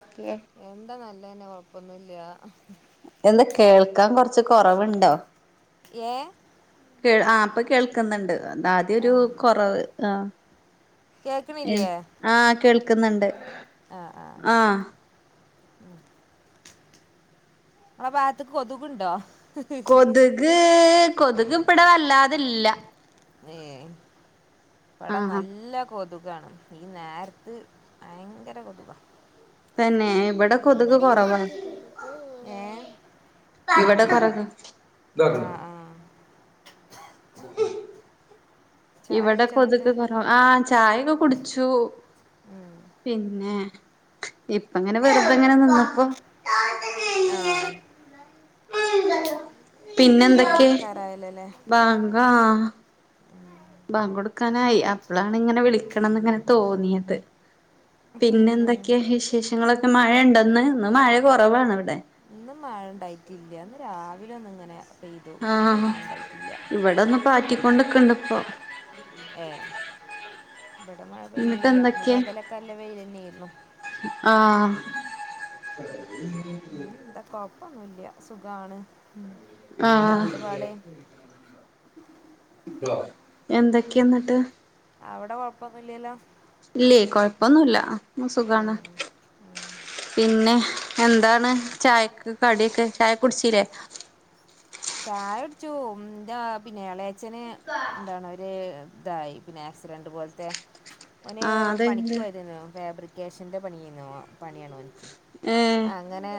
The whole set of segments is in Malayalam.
! ! ! ! ! ! ! ! ! ! എന്താ നല്ലതന്നെ കൊഴപ്പൊന്നുംല്ല എന്താ കേൾക്കാൻ കുറച്ച് കൊറവുണ്ടോ ഏ കേ ആ അപ്പൊ കേൾക്കുന്നുണ്ട് അദ്യ ആ ഒരു കൊറവ് ആ കേൾക്കണില്ലയേ ആ കേൾക്കുന്നുണ്ട് ആഹ് ആ ആ ആ ഭാഗത്തക്ക് കൊതുക്ണ്ടോ കൊതുക് കൊതുക് ഇപ്പടെ വല്ലാതില്ല ഏ ആ ഇവടെ നല്ല കൊതു കാണ് ഈ നേരത്ത് ഭയങ്കര കൊതുകാ തന്നെ ഇവിടെ കൊതുക് കൊറവാ ഏ ഇവിട പറക ആ ആ ചായ ഇവിടെ കുടിച്ചോ എന്നിട്ട് കൊതുക് കുറവ ആ ചായൊക്കെ കുടിച്ചു ഉം പിന്നെ ഇപ്പങ്ങനെ വെറുതെങ്ങനെ നിന്നപ്പോ ആഹ് പിന്നെ ബാങ്ക് എന്തൊക്കെ കൊടുക്കാറായല്ലോല്ലേ ബാങ്ക ബാങ്കൊടുക്കാനായി അപ്പോളാണ് ഇങ്ങനെ വിളിക്കണംന്ന് ഇങ്ങനെ തോന്നിയത് പിന്നെ എന്തൊക്കെയാ വിശേഷങ്ങളൊക്കെ മഴ ഉണ്ടെന്ന് ഇന്ന് മഴ കുറവാണ് ഇവിടെ ഇന്നും മഴണ്ടായിട്ടില്ലന്ന് രാവിലെ ഒന്ന് ഇങ്ങനെ പെയ്തു പിന്നെ മഴണ്ടായിട്ടില്ല പാറ്റിക്കൊണ്ടിക്കണ്ടിപ്പോ ഏ ഇവിടെ മഴ എന്നിട്ട് പെയ്യുന്നില്ല ഇന്ന് പകലൊക്കെ നല്ല വെയിൽ തന്നെയായിരുന്നു ആഹ [unintelligible] പിന്നെ എന്താ കൊഴപ്പൊന്നുമല്ല സുഖമാണ് ഉ എന്താ ആഹ് എന്റെപാട് എന്തൊക്കെയ എന്നിട്ട് അവിടെ കൊഴപ്പൊന്നില്ലല്ലോ ഇല്ലേ കൊഴപ്പൊന്നുമല്ല സുഖാണ് ഉം. പിന്നെ എന്താണ് ചായക്ക് കടിയൊ ക്കെ ചായ കുടിച്ചില്ലേ ചായ കുടിച്ചു എന്താ പിന്നെ എളയച്ഛന് എന്താണ് ഒരുര് ഇതായി പിന്നെ ആക്സിഡന്റ് പോലത്തെഓൻ ആഹ് അതെന്ത് പണിക്കുപോയതാ രുന്നു ഫേബ്രിക് ക്യാഷിൻ്റെ പണിയന്നോ പണിയാണോ ഓനിക്ക് ഏഹ് അങ്ങനെ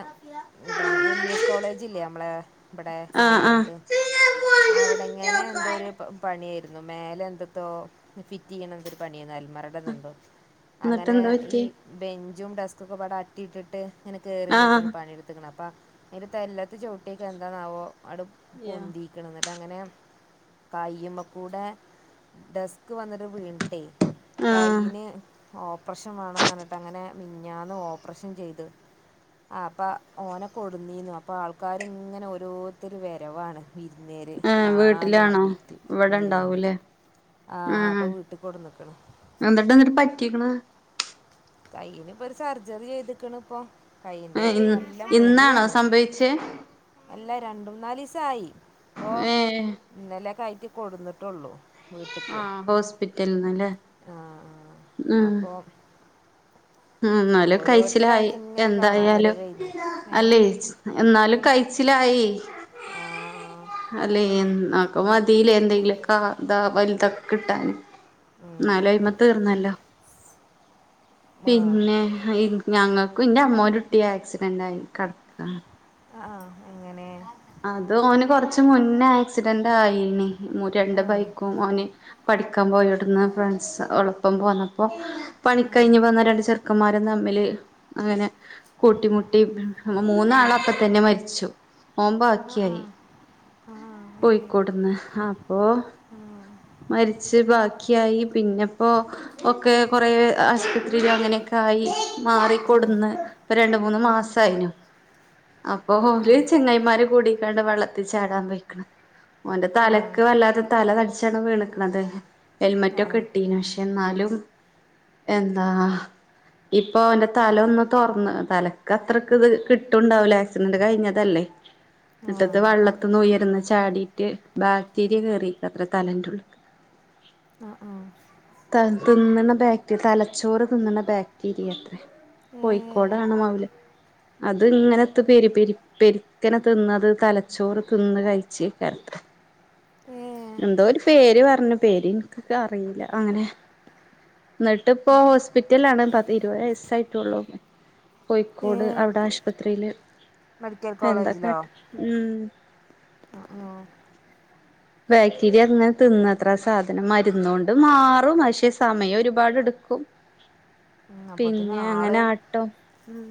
എന്താണ് എം ഇ എസ് കോളേജ ഇല്ലേ നമ്മളെ ഇവിടെ ആഹ് ആഹ് മാലറമ്പ് അവിടെ ഇങ്ങനെ എന്തോ ഒരു പണിയായിരുന്നു മേലെ എന്തത്തോ ഫിറ്റ് ചെയ്യണന്തൊരു പണിയന്ന് അൽമറ [unintelligible] എന്നിട്ട് അങ്ങനെ എന്താ ഈ പറ്റിയെ ബെഞ്ചും ഡെസ്ക്കൊക്കെവിടെ അറ്റിയിട്ടിട്ട് ഇങ്ങനെ കയറി നിന്നിട്ടാണ് ആഹ് പണിയെടുക്കുന്നത് അപ്പം അതിറെ തല്ലത്ത് ചുവട്ടിയൊക്കെ എന്താണുമോ അട്ട് യാ പൊന്തിക്കണം എന്നിട്ട് അങ്ങനെ കയ്യുമ്മ കൂടെ ഡെസ്ക് വന്നിട്ട് വീണട്ടെ ആഹ് കൈയിന് ഓപ്പറേഷൻ വേണംമന്ന് പറഞ്ഞിട്ട് അങ്ങനെ മെഞാന് ഓപ്പറേഷൻ ചെയ്ത് ആ അപ്പ ഓന കൊടുന്നീന്നു അപ്പൊ ആൾക്കാർ ഇങ്ങനെ ഓരോരുത്തരി വെരവാണ് വിരുന്നേര് ഏഹ് കാണാന് വീട്ടിലാണോ വേണ്ടീട്ട് ഇവിടെ മ് ഉം ഇണ്ടാവൂലേ ആഹ അപ്പൊ വീട്ടിൽ കൊടെ നിക്കണ എതട്ടഎന്നിട്ട് പറ്റിക്കണ കയ്യിലിപ്പൊ ഒരു സർജറി ചെയ്തിക്കണ് ഇപ്പൊ കൈയ്യിന്റെ ഏഹ് നല്ല ഇന്നാണോ മുറിയാണ് സംഭവിച്ചേ അല്ല രണ്ടുനാലീസായി അപ്പോ ഏഹ് ഇന്നലെക്കയിറ്റ് കൊടന്നിട്ടുള്ളൂ വീട്ട്ക്ക് ആഹ് ഹോസ്പിറ്റലിന്നല്ലേ ആ അപ്പോ ഉ ന്നാലും കൈച്ചിലായി ഓരോരുത്തരായിട്ട് ഇങ്ങനെ കാണാൻ എന്തായാലും വരവായിരുന്നു ഏ അല്ലേ എന്നാലും കൈച്ചിലായി ആ അല്ലെ എന്നപ്പ മതി [unintelligible] വലുതൊക്കെ കിട്ടാൻ ആ ഉം. എന്നാല് അയിമ തീർന്നല്ലോ ആ പിന്നെ ഞങ്ങക്കു എൻ്റെ അമ്മോൻ്റുട്ടി ആക്സിഡന്റയി കിടക്ക ആഹ എങ്ങനെ അത് ഓന് കൊറച്ച് മുന്നേ ആക്സിഡന്റ് ആയിനി ആ രണ്ട് ബൈക്കും ഓന് പഠിക്കാൻ പോയിടന്ന് ഫ്രണ്ട്സ് ഒളപ്പം പോന്നപ്പോ പണി കയിഞ്ഞ് വന്ന രണ്ടു ചെർക്ക് ചെക്കന്മാരും തമ്മില് അങ്ങനെ കൂട്ടിമുട്ടി ഉം. മൂന്നാളപ്പ തന്നെ മരിച്ചു ഓൻ ആ ആ ബാക്കിയായി ആ ഏ കോയിക്കോടന്ന് അപ്പൊ ഉം. മരിച്ച് ബാക്കിയായി പിന്നെപ്പോ ഒക്കെ കുറെ ആസ്പത്രിയില് അങ്ങനെയൊക്കെ ആയി ഉം. മാറിക്കൊടുന്ന് ഇപ്പൊ രണ്ട് മൂന്ന് മാസായിന്നു അപ്പൊ ഓല് ചെങ്ങയിമാര് കൂടി കാണ്ട് വെള്ളത്തല് ചാടാൻ പോയിക്കണ് ഓന്റെ ആ ആ തലക്ക് വല്ലാത്ത തല തച്ചാണ് വീണക്കണന്നത് ആ ആ ഹെൽമറ്റൊക്കെ ഇട്ടീന് ക്ഷെ എന്നാലും എന്താ ഇപ്പൊ ഒന്റെ തല ഒന്ന് തൊറന്ന് തലക്ക് അത്രക്ക് ഇത് കിട്ടുണ്ടാവൂല ആക്സിഡന്റ് കയിഞ്ഞതല്ലേ ട്ടത്ത് വെള്ളത്തിന്ന് ഉയരന്ന് ചാടീറ്റ് ബാക്റ്റീരിയ കേറിട്ടത്ര തലൻ്റള്ള്ക് ആഹ് ആഹ് തിന്നണ ബാക്റ്റീരിയ തലച്ചോറ് തിന്നണ ബക്റ്റീരിയത്രേ ഏ കോയിക്കോടണ് മൗല അത് ഇങ്ങനത്ത പെരി പെരി പെരിക്കന തിന്നത് തലച്ചോറ് തിന്ന് കയിച്ചിക്കണത്ര ഏഹ് എന്തോരു പേര് പറഞ്ഞ് പേര് ഇനിക്കറിയില്ല അങ്ങനെ എന്നിട്ടപ്പോ ഹോസ് ഹോസ്പിറ്റലാണ് പത്തിരുവയസ്സായിട്ടുള്ളൂ ഏ കോയിക്കോട് അവിടെ ആശുപത്രിയില് മെഡിക്കൽ അന്താ കാട്ടാ ഉം ആഹ് ആഹ് ബാക്റ്റീര്യങ്ങനെ തിന്നത്രെ ആ സാധനം മര്ന്നാേണ്ട് മാറും പഷെ സമയാെരുപാടെട്ക്കും ഉം, അപ്പത്തിന് പിന്നെ ആള് അങ്ങനെ ആട്ടോ ഉം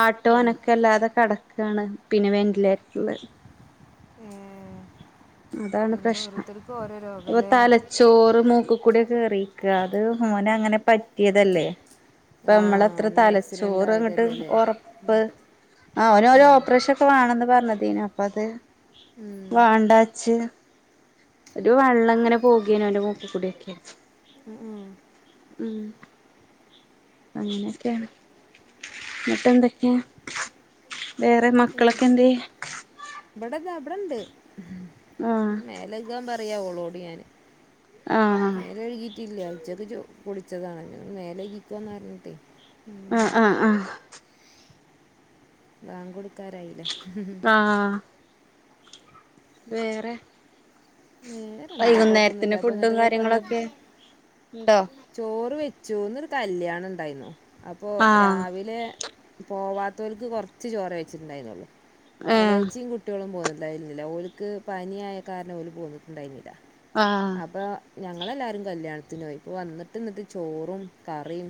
ആട്ടോ ഒരു അനക്കല്ലാതെ കെടക്കാണ് പിന്നെ വെൻ്റിലേറ്റ്ർല് ഏഹ് അതാണ് എന്താ ഓരോര്ത്തര്ക്കോരോ രോഗലേ ചോറ് മൂക്ക്കൂടെ കേറീക്കാ അത് മോനങ്ങനെ പറ്റ്യേതല്ലേ പ്പ ആ നമ്മളത്ര അന്ന് ആക്സിഡൻ്റ് തലച്ചോറ്ങ്ങട്ട് ആയതല്ലേ ഒറപ്പ് ആഹ് ഉം. ഓനൊരാേപ്പ്റേഷാെക്കെ വാണംന്ന് പർഞ്ഞതേനി അപ്പ അത് ഉം. വാണ്ടാച്ച് ഒരു വള്ളങ്ങനെ പോകേനു ഓന്റെ മൂക്കിൽ കൂടൊക്കെ ഉം, ഉം. ഉം അങ്ങനെക്കേണ് ന്നട്ടന്തൊക്കെ വേറെ മക്കളെക്കെന്തെയ് ഇബടെതാ ഇബട്ണ്ട് ആഹ് മേലെകാൻ പറയാ ഒളോട് ഞാന് ആഹ് മേലേഴ്കീറ്റില്ല്യാ ഉച്ചക്ക് ചോ കുളിച്ചതാണ് മേലകീറ്റ് വന്നാല്ങ്ങട്ടെ ആഹ് ആഹ് ആഹ് വാങ്കാെട്ക്കാരായീലേ ആഹ് വേറെ വേറെ എന്താ വൈകുന്നേര്ത്ത്ന് കുഴപ്പമൊന്നുമില്ല അപ്പം ഫുഡും എന്നിട്ട് ഇപ്പോൾ വന്ന് കാര്യങ്ങളൊക്കെ ഇണ്ടോ ചോറ് വെച്ചു ഇന്നൊരു കല്യാണണ്ടായ്ന്നു അപ്പൊ ആഹ് രാവിലെ പോവാത്തോൽക്ക് കൊർച്ച് ചോറേ വെച്ചിട്ട്ണ്ടായ്ര്ന്നാെള്ളു ഏഹ് എളേയച്ചിയും കുട് ട്ട്യേളും പോന്ന്ണ്ടായ്ര്ന്നില്ല ഓല്ക്ക് പനിയായ കാരണം ഓല് പോന്നിട്ട്ണ്ടായിരുന്നില്ല ആഹ് അപ്പാ ഞങ്ങളെല്ലാരും കല്യാൺത്തിനോയി ഇപ്പൊ വന്ന്ട്ട് ന്നട്ട് ചോറും കറിം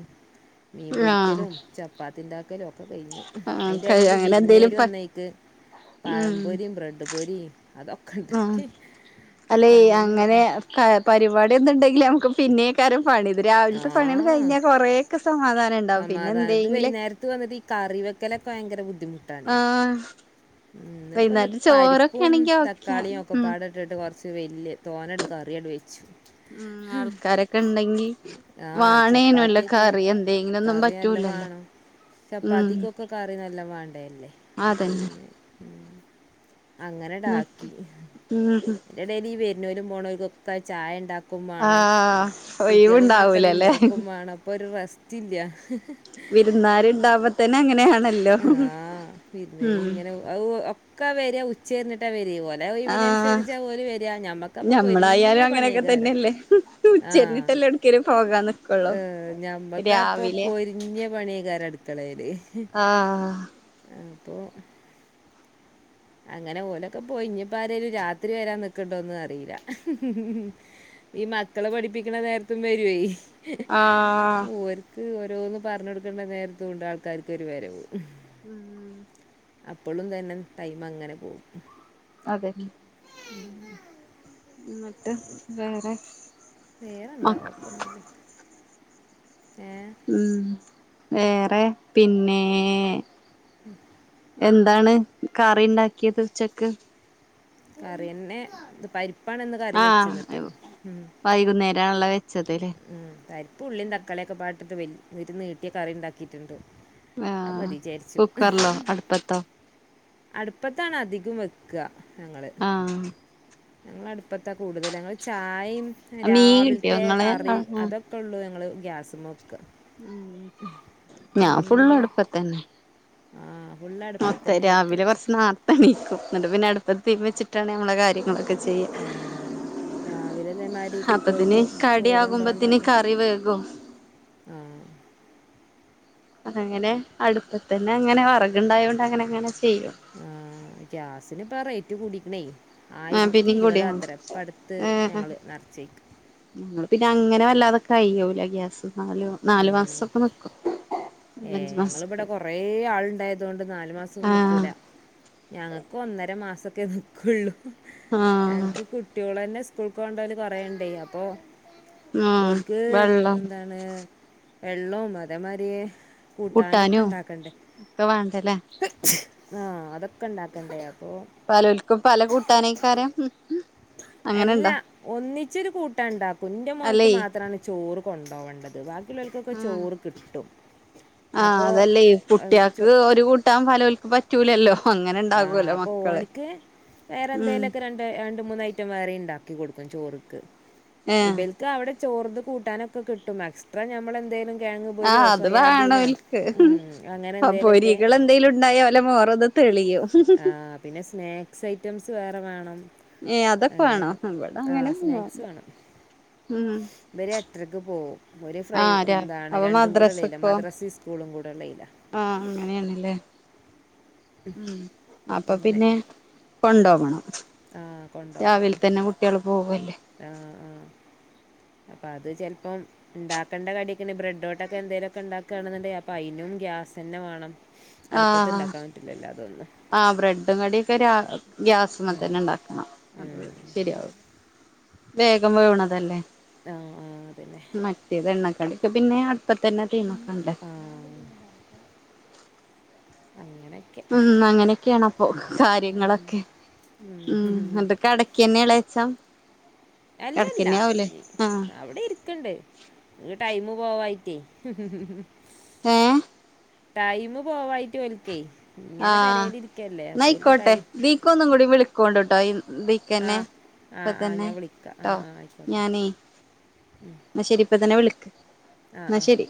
മീൻ ആഹ് പൊരിക്കലും ചപ്പാത്തിണ്ടാക്കലു ഒക്കെ കയ്ഞ്ഞു ആഹ് അയ്ന്റെ കഴി എടേല് അങ്ങനെ എന്തേലും വിര്ന്നേര് പ വന്നയ്ക്ക് ഉം പഴംപൊരിം ബ്രെഡ് പൊരിം ആഹ് അതൊക്കെണ്ടാക്കി പണിയെന്നേര്ന്നു ക പരിപാട്യൊന്നുണ്ടെങ്കില് നമുക്ക് പിന്നേം ക്കാരം പണി ഇത് രാവിൽത്തെ പണ്യാണ്ട് കയ്ഞ്ഞാ കൊറേക്കെ സമാധാനണ്ടാവും മാ തായത് വെയ്ന്നര്ത്ത് വന്നത് ഈ കറി വെക്കലൊക്കെ ഭയങ്കര ബുദ്ധിമു ആഹ് ഉം എന്നട്ട്പ്പന്ന് വൈകുന്നേരം ചോറൊക്കെ പരിപ്പും ആണെങ്കി ഓക്കെ തക്കാളിയും ഒക്കെ ഉം പാടെട്ട്ട്ട് കൊർച്ച് വെല്ല്യെ തോനേണ്ട് കറ്യാണ്ട് വെച്ചു ഉം ആൾക്കാരൊക്കെണ്ടെങ്കി ആ ഈ വാണേനു അല്ലാെ ചപ്പാത്തിയൊക്കെ കറി എന്തേ കറി എല്ലം വാണം ഉം ചപ്പാത്തിക്കൊക്ക് കറി നെല്ലാം വാണ്ടേല്ലേ അപ്പൊ അതന്നെ പിന്നെ അങ്ങനെ ഡാക്കി ഉം എതേലും ഡെലി ഈ വെര്ണോൽക്കും പോണാേൽക്കൊക്കെ ചായണ്ടാ ക്കും മാണം ആഹ് കുട്ട്യാളിം മക്കളിം ഒഴിവുണ്ടാവൂലല്ലേ നോക്കും മാണം പ്പൊര് റെസ് ചില്ല്യാ വിര്ന്നാര്ണ്ടാവ്മ്പത്തന്നെ അങ്ങനെയാണല്ലോ ആഹ് വിരുന്നേര് ഉം ഇങ്ങനെ അത് ഒക്കെ വെരാ ഉ ച്ചര്ഞ്ഞ്ട്ടാ വര്യേ ഓലെ ആഹ് ഒയ്വ്നൻസര്ച്ചാ ഓല് വെരാ ഞമ്മക്കപ്പം പൊര്ഞ്ഞ ഞമ്മളായാലും അങ്ങനെയൊക്കെ പണ്യേക്കാരം [inaudible] ആഹ് ക്കിലും പോകാന്ന് ഏഹ് ഞമ്മക്കപ്പൊ പൊര്ഞ്ഞ പണ്യേക്കാര അട്ക്കെളേല് ആഹ് ആഹ് അപ്പൊ അങ്ങനെ ഓലൊക്കെ പോയ് ഞ്ഞ്പ്പാരേലും രാത്രി വരാന്ന്ക്ക്ണ്ടോന്നും അറീലാ ഈ മക്കളെ പഠിപ്പ്ക്ക്ണെ നേര്ത്തും വരുവേ ആഹ് ഓര്ക്ക് ഓരോന്ന് പറഞ്ഞെടുക്കണ്ട നേരത്തൂണ്ട് ആൾക്കാര്ക്കൊരു വരവ് ആഹ് അപ്പൊളും തന്നെ ടൈം അങ്ങനെ പോകും അതെന്നെ ഉം എന്നിട്ട് വേറെ? നേരെന്താ? മക്ക ഒപ്പംമതി ഉം വേറെ പിന്നേ ഉം എന്താണ് കറി ഇണ്ടാക്കിയത് ഉച്ചക്ക് കറിയെന്നെ ഇത് പരിപ്പാണ്ന്ന് കറി വെച്ച്ന്നിട്ട് ഉം വൈകുന്നേരം ആണല്ലോ വെച്ചത് ലേ ഉം പരിപ്പ് ഉള്ളിയും തക്കാളിയൊക്കെ പാട്ടിട്ട് വൽ ഒരു നീട്ടിയ കറി ഇണ്ടാക്കീട്ടുണ്ട് അ ആഹ് മതി വിചാരിച്ചു. കുക്കറിലോ അടുപ്പത്തോ അടുപ്പത്താണ് അധികം വെക്കുക ഞങ്ങള് ആഹ് ഞങ്ങ അടുപ്പത്താ കൂടുതല് ഞങ്ങൾ ചായയും മീൻ കിട്ടിയോ രാവിലത്തെ ഇങ്ങളെ കറി അവ്ട്ന്ന് അതൊ ഒക്കെ ഉള്ളൂ ഞങ്ങള് ഗ്യാസുമ്മൊക്ക ഉം ഞാൻ ഫുുള്ളടുപ്പത്തന്നെ ആ ഫുള്ള് അടുപ്പത്ത് മൊത്തം തന്നെ രാവിലെ വെക്കൽ കുറച്ച് നാർത്തെണീക്കും എന്നിട്ട് പിന്നെ അടുപ്പ തീ വെച്ചിട്ടാണ് ഞമ്മളെ കാര്യങ്ങളൊക്കെ ചെയ്യ ആ രാവിലെ ഇതേമാതിരി കുട്ടികൾക്ക് അപ്പത്തിന് കടി ആകുമ്പോത്തിന് കറി വേകും ആഹ് അതങ്ങനെ അടുപ്പത്തന്നെ അങ്ങനെവെറകുണ്ടായോണ്ട് അങ്ങനെ അങ്ങനെ ചെയ്യും ആ ഗ്യാസിന്പ്പോ റൈറ്റ് കൂടിക്കണേ ആ ആയിരത്തി പിന്നിം കൂടിയാണ് ഇരുപതാത്രെ ഇപ്പടുത്ത് ഏ ഞങ്ങള് നർച്ചീക്ക് ഞങ്ങള് പിന്നെ അങ്ങനെ വല്ലാതെ കയ്യൂല ഗ്യാസ്. നാലു നാലു മാസൊക്കെ നി ക്കും ഏ ഞങ്ങളിവിടെ കൊറെ ആൾണ്ടായതുകൊണ്ട് നാല് മാസം ഒന്നും ആഹ് ന്ക്കൂല. ഞങ്ങൾക്ക് ഒന്നര മാസൊക്കെ നിക്കുള്ളൂ. ആഹ് ഞങ്ങക്ക് കുട്ട്യോളന്നെ സ് കൂൾ പോണ്ടോല് കൊറേ ഇണ്ടേ അപ്പൊ ആഹ് ഓൽക്ക് വെള്ളം എന്താണ് വെള്ളോം അതേമാരി കൂട്ടാനൊക്കെ കൂട്ടാനും ഇണ്ടാക്കണ്ടേ ഒക്കെ വേണ്ടല്ലേ ആ അതൊക്കെ ഇണ്ടാക്കണ്ടേ അപ്പൊ പലോൽക്കും പല കൂട്ടാനേക്കാരം അങ്ങനെണ്ടോ എല്ലാ ഒന്നിച്ചൊരു കൂട്ട ഉണ്ടാക്കും ഇന്റെമോൻക്ക് അല്ലേ മാത്രമാണ് ചോറ് കൊണ്ടോവണ്ടത് ബാക് ബാക്കീള്ളോൽക്കൊക്കെ ആഹ് ചോറ് കിട്ടും ആഹ് അപ്പോൾ അതല്ലേ ഈ ചോ കുട്ടിയാക്ക് ഒരു കൂട്ടാൻ ഫലോൽക്ക് പറ്റ് റ്റൂലല്ലോ അങ്ങനെ ആ ഇണ്ടാകുമല്ലോ അപ്പോൾ മക്കള് ഓനിക്ക് ഉം എന്തെങ്കിലുമൊക്കെ വേറെ രണ്ട് രണ്ട് മൂന്ന് ഐറ്റം വേറെ ഇണ്ടാക്കി കൊടുക്കും ചോറ്ക്ക്. ഏഹ് ഇബൽ ക്കാ അവിടെ ചോർന്ന് കൂട്ടാനൊക്കെ കിട്ടും എക്സ്ട്രാ ഞമ്മള് എന്തേലും ആഹ് അത് വേണോൽക്ക് ഉം, അങ്ങനെ പൊ എന്തെങ്കിലുമൊക്കെ പൊരികള് എന്തേലും ഉണ്ടായാ ഓലെ മോറൊന്ന് തെളിയും ആഹ് പിന്നെ സ്നാക്സ് ഐറ്റംസ് വേറെ വേണം ഏയ് അതൊക്കൊവേണോ അങ്ങനെ അവിടെ ആ അങ്ങനെ ഒന്നും വേണ്ട ഉം ഇവര് എട്ടരയ്ക്ക് പോവും. ഒരു ഫ്രൈ ആഹ് രാവിലെ എന്താണ് അപ്പൊ രണ്ടും കൂടെ ഉള്ളല്ലെ മദ്രസക്കോ മദ്രസെ സ്‌ സ്കൂളും കൂടെ ഇള്ളയിലാ ആഹ് അങ്ങനെയാണ് ലേ ഉം അപ്പൊ അങ്ങനെ പിന്നെ കൊണ്ടോവണം ആ രാവിൽതന്നെ കു ട്ട്യേള് പോവല്ലേ ആഹ് ആഹ് അപ്പൊ അത് ചെൽപ്പം ണ്ടാക്കേണ്ട കടിയക്കെ ണ്ട്. ബ്രെഡ്ട്ടൊക്കെ എന്തേലൊക്കെ ണ്ടാക്കാന്ന് ണ്ടെങ്കി അപ്പൊ അയിനും ഗ്യാസെന്നെ വേണം. ആഹ് അട്പ്പത്ത്ണ്ടാക്കാൻ റ്റൂലല്ലോ? തന്നെ. ആഹ്. ബ്രെഡും കടിയൊക്കെ രാ ഗ്യാസ് മ ഉം. തന്നെ ണ്ടാക്കാ. അത് ഉം. ശരിയാ. വേഗം വേവ്ണതല്ലെ? ആഹ് ആഹ് അതന്നെ മറ്റേത് എണ്ണകടിക്ക് പിന്നെ അട്പ്പത്തന്നെ തീ മക്കണ്ടേ. അങ്ങനെ ഉം അങ്ങനെയൊക്കെയാണപ്പൊ? കാര്യങ്ങളൊക്കെ ഉം. മ് അതൊ കടക്കന്നെ എളേച്ചം എല്ലല്ല. ആഹ് അവ്ടെ ഇരി ക്ക്ണ്ട്. ഈ ടൈമ് പോവായിറ്റേ ഏ ടൈം പോവായിട്ട്ഓൽക്കെ. ഇങ്ങനെ പെരേല് ഇരിക്കല്ലെ. അപ്പോ ഓല്ക്ക് ടൈ- ഇക്കൊന്നും കൂടി വിളിക്കോണ്ട്ട്ടോ. ബീ ആ ക്കന്നെ. ആ ഇപ്പ ആ തന്നെ ഞാൻ വിളിക്കാം ആ ട്ടോ. ആ ആയിക്കോട്ടെ ഞാനെ ന്നാ ശരി ഇപ്പൊ തന്നെ വിളിക്ക്. ആ ന്നാ ആ ശരി.